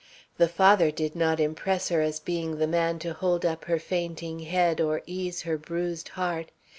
The father did not impress her as being the man to hold up her fainting head or ease her bruised heart.